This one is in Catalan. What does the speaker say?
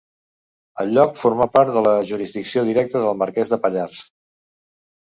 El lloc formà part de la jurisdicció directa del Marquès de Pallars.